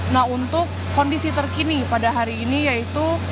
nah untuk kondisi terkini pada hari ini yaitu